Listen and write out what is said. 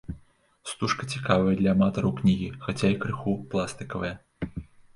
Стужка цікавая для аматараў кнігі, хаця і крыху пластыкавая.